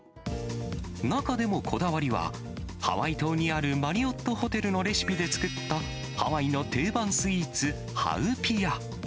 中でもこだわりは、ハワイ島にあるマリオットホテルのレシピで作ったハワイの定番スイーツ、ハウピア。